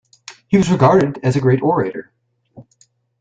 He was regarded as a great orator.